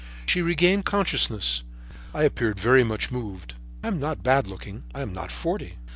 She regained consciousness. I appeared very much moved. I am not bad looking, I am not forty.